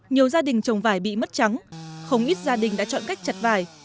nhiều gia đình trồng vải bị mất trắng không ít gia đình đã chọn cách chặt vải